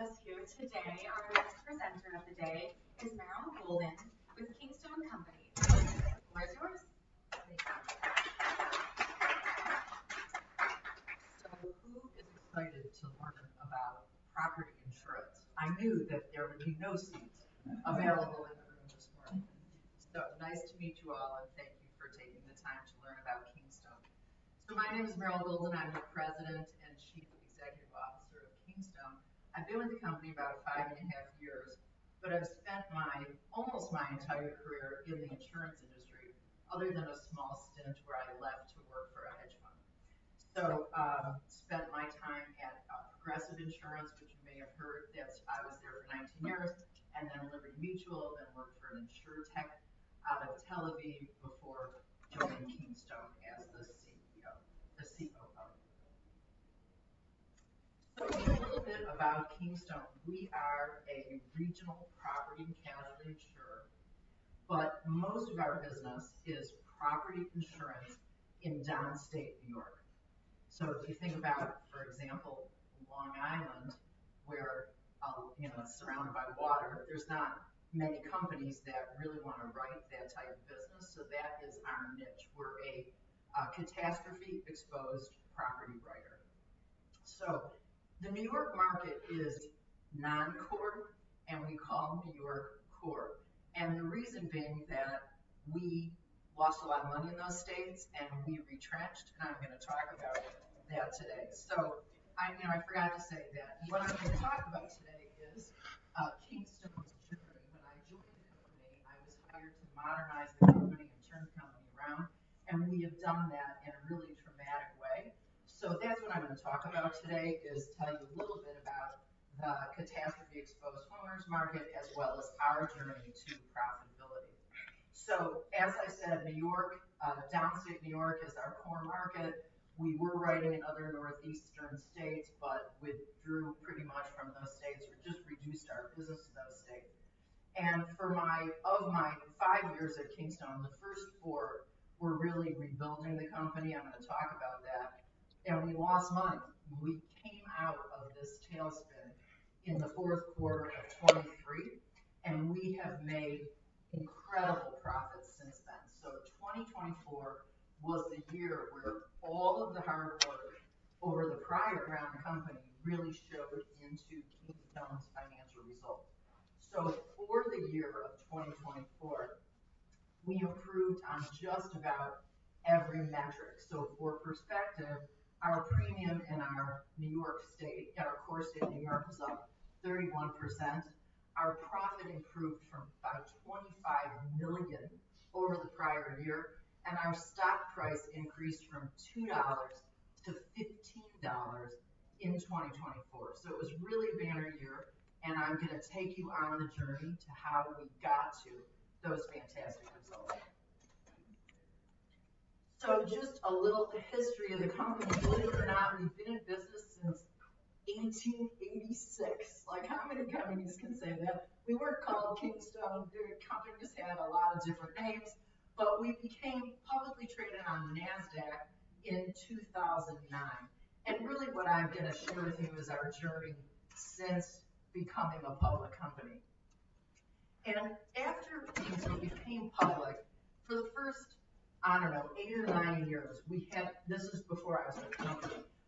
Good morning, everyone. Thanks for being with us here today. Our next presenter of the day is Meryl Golden, with Kingstone Companies. The floor is yours. Who is excited to learn about property insurance? I knew that there would be no seats available in the room this morning. Nice to meet you all, and thank you for taking the time to learn about Kingstone. My name is Meryl Golden. I'm the President and Chief Executive Officer of Kingstone. I've been with the company about five and a half years, but I've spent almost my entire career in the insurance industry, other than a small stint where I left to work for a hedge fund. I spent my time at Progressive Insurance, which you may have heard that I was there for 19 years, and then Liberty Mutual, then worked for an insurtech out of Tel Aviv before joining Kingstone as the CEO. A little bit about Kingstone. We are a regional property and casualty insurer, but most of our business is property insurance in downstate New York. If you think about, for example, Long Island, where it's surrounded by water, there's not many companies that really want to write that type of business. That is our niche. We're a catastrophe-exposed property writer. The New York market is non-core, and we call New York core. The reason being that we lost a lot of money in those states, and we retrenched, and I'm going to talk about that today. I forgot to say that what I'm going to talk about today is Kingstone's journey. When I joined the company, I was hired to modernize the company and turn the company around, and we have done that in a really dramatic way. That is what I'm going to talk about today, is tell you a little bit about the catastrophe-exposed homeowners market, as well as our journey to profitability. As I said, downstate New York is our core market. We were writing in other northeastern states, but withdrew pretty much from those states. We just reduced our business in those states. Of my five years at Kingstone, the first four, we're really rebuilding the company. I'm going to talk about that. We lost money. We came out of this tailspin in the fourth quarter of 2023, and we have made incredible profits since then. 2024 was the year where all of the hard work over the round of the company really showed into Kingstone's financial result. For the year of 2024, we improved on just about every metric. For perspective, our premium in our New York state, our core state of New York, was up 31%. Our profit improved by $25 million over the prior year, and our stock price increased from $2-$15 in 2024. It was really a banner year, and I'm going to take you on the journey to how we got to those fantastic results. Just a little history of the company. Believe it or not, we've been in business since 1886. How many companies can say that? We weren't called Kingstone. The companies had a lot of different names, but we became publicly traded on NASDAQ in 2009. What I'm going to share with you is our journey since becoming a public company. After Kingstone became public, for the first, I don't know, eight or nine years, we had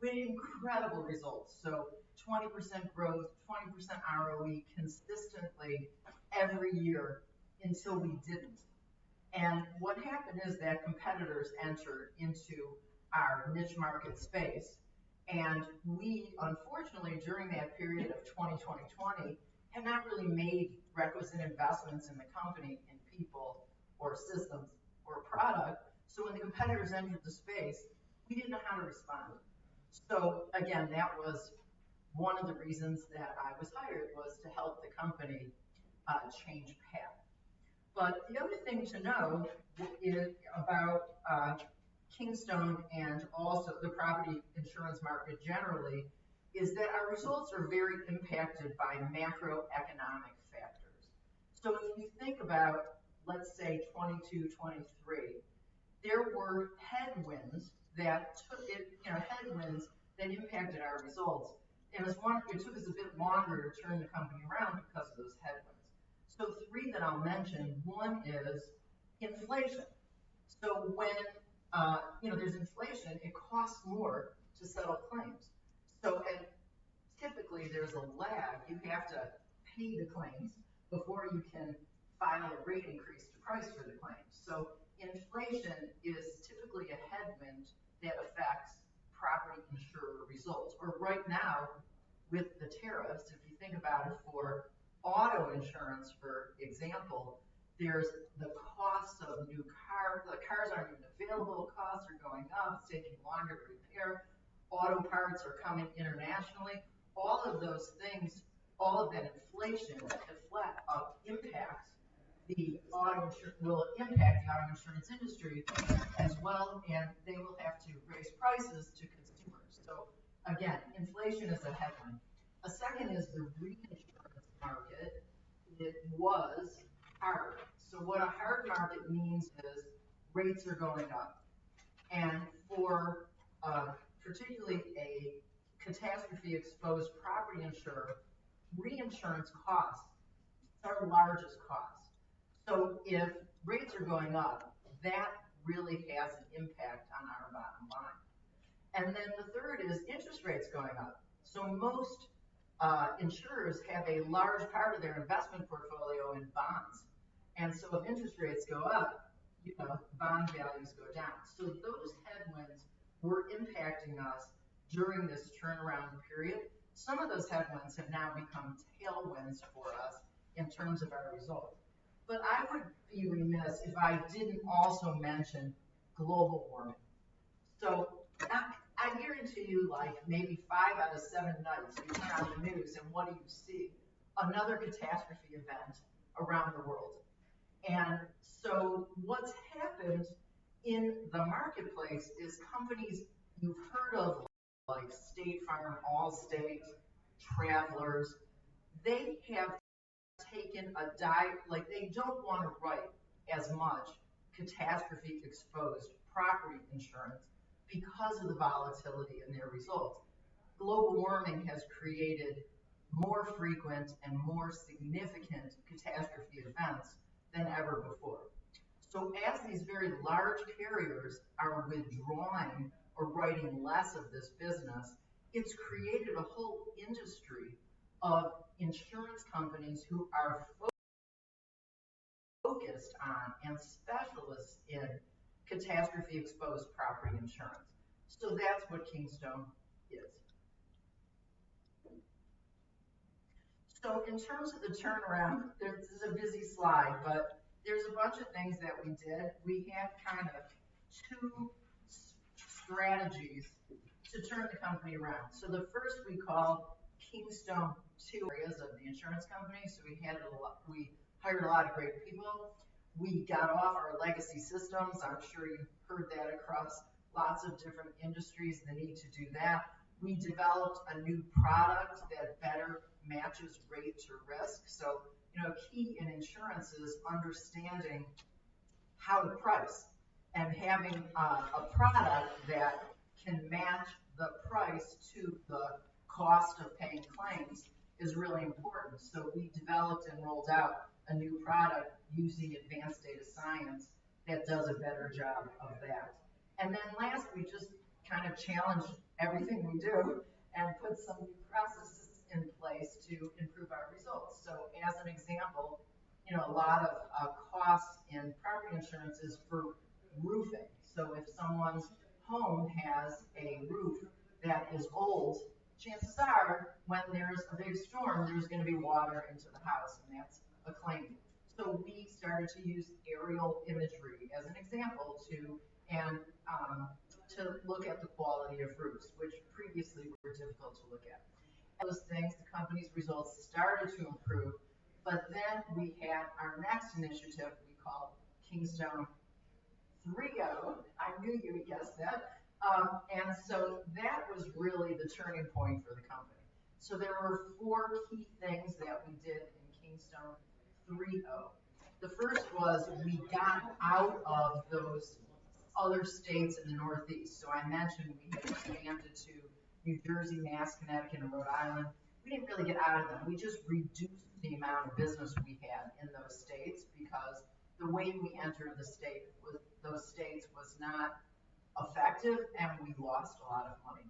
incredible results. So 20% growth, 20% ROE consistently every year until we did not. What happened is that competitors entered into our niche market space, and we, unfortunately, during that period of 2020, had not really made requisite investments in the company, in people, or systems, or product. When the competitors entered the space, we did not know how to respond. That was one of the reasons that I was hired, to help the company change path. The other thing to know about Kingstone and also the property insurance market generally is that our results are very impacted by macroeconomic factors. If you think about, let's say, 2022, 2023, there were headwinds that impacted our results. It took us a bit longer to turn the company around because of those headwinds. Three that I'll mention, one is inflation. When there's inflation, it costs more to settle claims. Typically, there's a lag. You have to pay the claims before you can file a rate increase to price for the claims. Inflation is typically a headwind that affects property insurer results. Right now, with the tariffs, if you think about it, for auto insurance, for example, there's the cost of new cars. The cars aren't even available. Costs are going up. It's taking longer to repair. Auto parts are coming internationally. All of those things, all of that inflation impacts the auto insurance industry as well, and they will have to raise prices to consumers. Inflation is a headwind. A second is the reinsurance market. It was hard. What a hard market means is rates are going up. For particularly a catastrophe-exposed property insurer, reinsurance costs are the largest cost. If rates are going up, that really has an impact on our bottom line. The third is interest rates going up. Most insurers have a large part of their investment portfolio in bonds. If interest rates go up, bond values go down. Those headwinds were impacting us during this turnaround period. Some of those headwinds have now become tailwinds for us in terms of our result. I would be remiss if I did not also mention global warming. I guarantee you, maybe five out of seven nights, you turn on the news and what do you see? Another catastrophe event around the world. What's happened in the marketplace is companies you've heard of, like State Farm, Allstate, Travelers, they have taken a—they don't want to write as much catastrophe-exposed property insurance because of the volatility in their results. Global warming has created more frequent and more significant catastrophe events than ever before. As these very large carriers are withdrawing or writing less of this business, it's created a whole industry of insurance companies who are focused on and specialists in catastrophe-exposed property insurance. That's what Kingstone is. In terms of the turnaround, this is a busy slide, but there's a bunch of things that we did. We had kind of two strategies to turn the company around. The first we called Kingstone areas of the insurance company. We hired a lot of great people. We got off our legacy systems. I'm sure you've heard that across lots of different industries, the need to do that. We developed a new product that better matches rate to risk. Key in insurance is understanding how to price. Having a product that can match the price to the cost of paying claims is really important. We developed and rolled out a new product using advanced data science that does a better job of that. Last, we just kind of challenged everything we do and put some processes in place to improve our results. As an example, a lot of costs in property insurance is for roofing. If someone's home has a roof that is old, chances are when there's a big storm, there's going to be water into the house, and that's a claim. We started to use aerial imagery as an example to look at the quality of roofs, which previously were difficult to look at. Those things, the company's results started to improve. Then we had our next initiative we called Kingstone 3.0. I knew you would guess that. That was really the turning point for the company. There were four key things that we did in Kingstone 3.0. The first was we got out of those other states in the northeast. I mentioned we had expanded to New Jersey, Massachusetts, Connecticut, and Rhode Island. We did not really get out of them. We just reduced the amount of business we had in those states because the way we entered those states was not effective, and we lost a lot of money.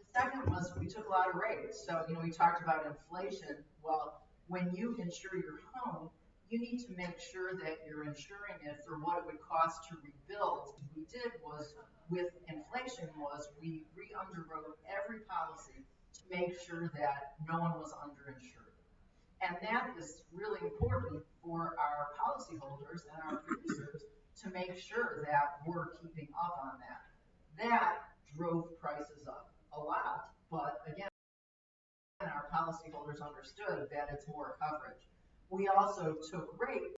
The second was we took a lot of rates. We talked about inflation. When you insure your home, you need to make sure that you're insuring it for what it would cost to rebuild. What we did with inflation was we re-underwrote every policy to make sure that no one was underinsured. That is really important for our policyholders and our producers to make sure that we're keeping up on that. That drove prices up a lot, but again, our policyholders understood that it's more coverage. We also took rate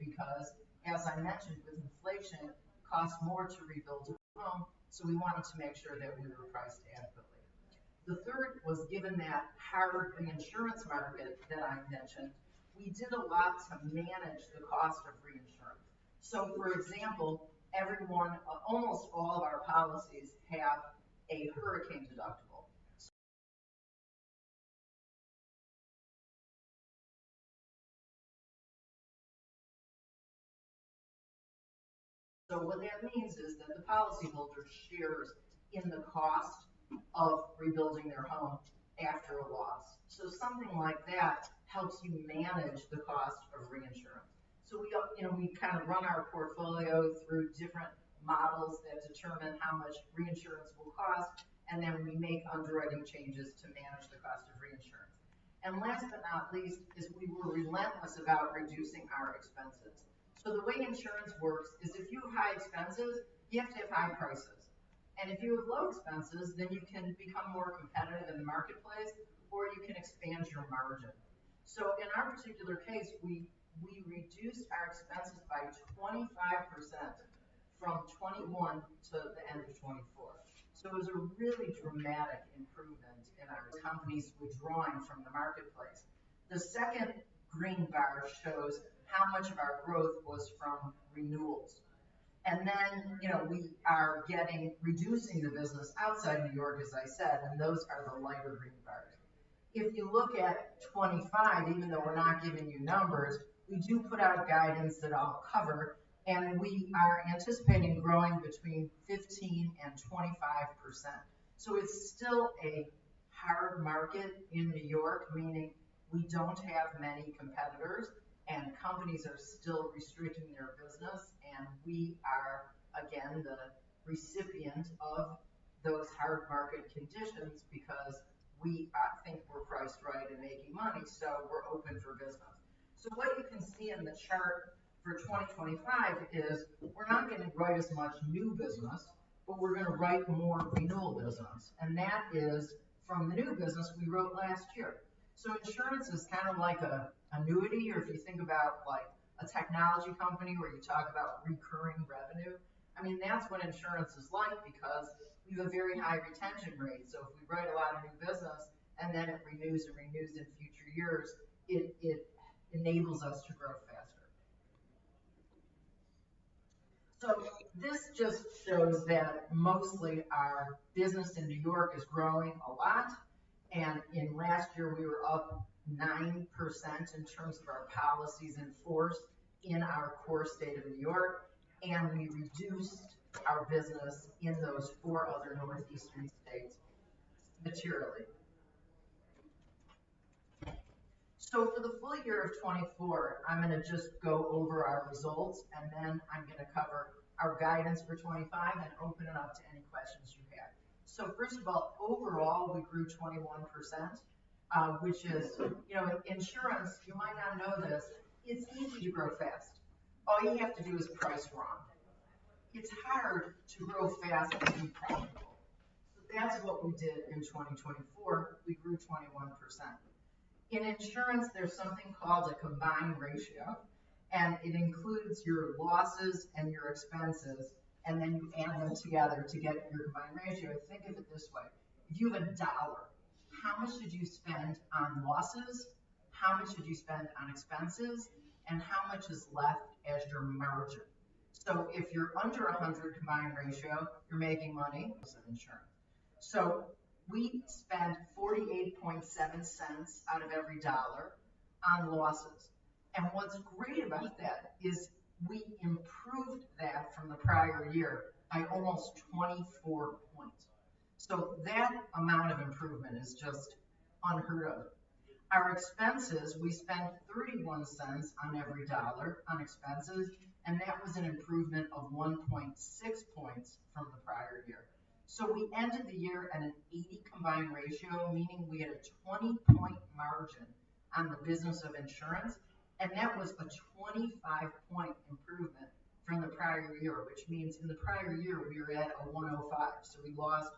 because, as I mentioned, with inflation, it costs more to rebuild a home, so we wanted to make sure that we were priced adequately. The third was, given that hard insurance market that I mentioned, we did a lot to manage the cost of reinsurance. For example, almost all of our policies have a hurricane deductible. What that means is that the policyholder shares in the cost of rebuilding their home after a loss. Something like that helps you manage the cost of reinsurance. We kind of run our portfolio through different models that determine how much reinsurance will cost, and then we make underwriting changes to manage the cost of reinsurance. Last but not least, we were relentless about reducing our expenses. The way insurance works is if you have high expenses, you have to have high prices. If you have low expenses, then you can become more competitive in the marketplace, or you can expand your margin. In our particular case, we reduced our expenses by 25% from 2021 to the end of 2024. It was a really dramatic improvement in our companies' withdrawing from the marketplace. The second green bar shows how much of our growth was from renewals. We are reducing the business outside New York, as I said, and those are the lighter green bars. If you look at 2025, even though we're not giving you numbers, we do put out guidance that I'll cover, and we are anticipating growing between 15% and 25%. It is still a hard market in New York, meaning we do not have many competitors, and companies are still restricting their business, and we are, again, the recipient of those hard market conditions because we think we're priced right and making money, so we're open for business. What you can see in the chart for 2025 is we are not going to write as much new business, but we are going to write more renewal business. That is from the new business we wrote last year. Insurance is kind of like an annuity, or if you think about a technology company where you talk about recurring revenue, I mean, that's what insurance is like because we have a very high retention rate. If we write a lot of new business and then it renews and renews in future years, it enables us to grow faster. This just shows that mostly our business in New York is growing a lot. In last year, we were up 9% in terms of our policies in force in our core state of New York, and we reduced our business in those four other northeastern states materially. For the full year of 2024, I'm going to just go over our results, and then I'm going to cover our guidance for 2025 and open it up to any questions you have. First of all, overall, we grew 21%, which is insurance, you might not know this, it's easy to grow fast. All you have to do is price wrong. It's hard to grow fast and be profitable. That's what we did in 2024. We grew 21%. In insurance, there's something called a combined ratio, and it includes your losses and your expenses, and then you add them together to get your combined ratio. Think of it this way. If you have a dollar, how much did you spend on losses? How much did you spend on expenses? And how much is left as your margin? If you're under 100 combined ratio, you're making money. Of insurance. We spent 48.7 cents out of every dollar on losses. What's great about that is we improved that from the prior year by almost 24 points. That amount of improvement is just unheard of. Our expenses, we spent 31 cents on every dollar on expenses, and that was an improvement of 1.6 points from the prior year. We ended the year at an 80 combined ratio, meaning we had a 20-point margin on the business of insurance, and that was a 25-point improvement from the prior year, which means in the prior year, we were at a 105. We lost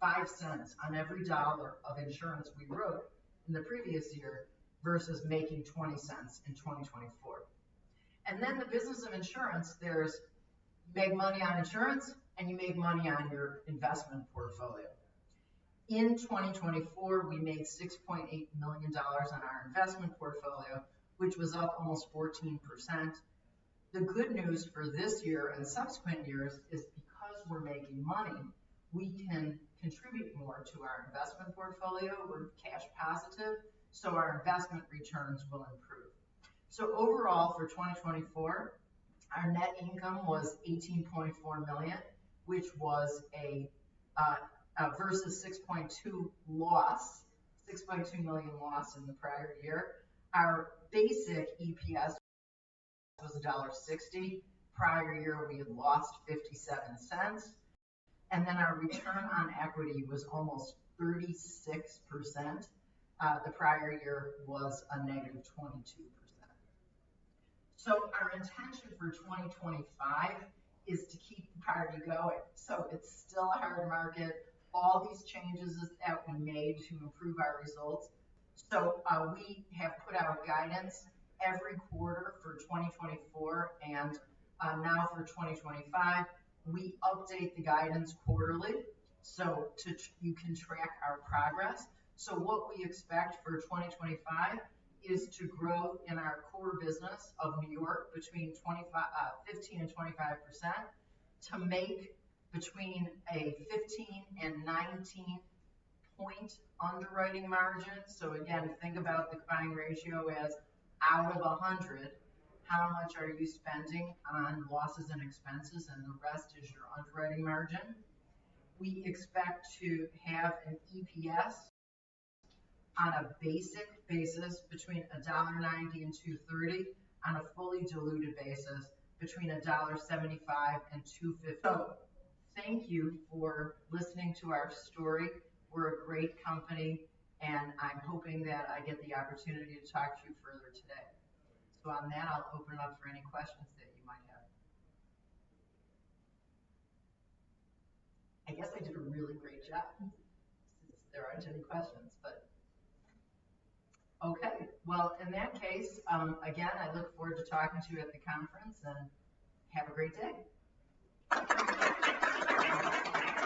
5 cents on every dollar of insurance we wrote in the previous year versus making 20 cents in 2024. The business of insurance, there's make money on insurance, and you make money on your investment portfolio. In 2024, we made $6.8 million on our investment portfolio, which was up almost 14%. The good news for this year and subsequent years is because we're making money, we can contribute more to our investment portfolio. We're cash positive, so our investment returns will improve. Overall, for 2024, our net income was $18.4 million, which was versus a $6.2 million loss in the prior year. Our basic EPS was $1.60. Prior year, we had lost $0.57. Our return on equity was almost 36%. The prior year was a negative 22%. Our intention for 2025 is to keep the priority going. It is still a hard market. All these changes that we made to improve our results. We have put out guidance every quarter for 2024, and now for 2025, we update the guidance quarterly so you can track our progress. What we expect for 2025 is to grow in our core business of New York between 15% and 25% to make between a 15-19 percentage point underwriting margin. Again, think about the combined ratio as out of 100, how much are you spending on losses and expenses, and the rest is your underwriting margin. We expect to have an EPS on a basic basis between $1.90 and $2.30, on a fully diluted basis between $1.75 and $2.50. Thank you for listening to our story. We're a great company, and I'm hoping that I get the opportunity to talk to you further today. On that, I'll open it up for any questions that you might have. I guess I did a really great job since there aren't any questions, but okay. In that case, again, I look forward to talking to you at the conference, and have a great day.